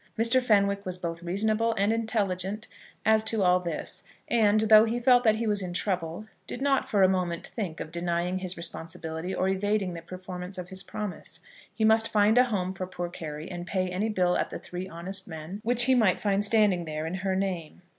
Mr. Fenwick was both reasonable and intelligent as to all this; and, though he felt that he was in trouble, did not for a moment think of denying his responsibility, or evading the performance of his promise. He must find a home for poor Carry, and pay any bill at the Three Honest Men which he might find standing there in her name.